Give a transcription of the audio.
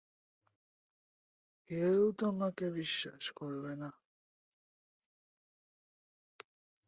কেউ তোমাকে বিশ্বাস করবে না।